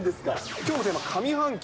きょうのテーマ、上半期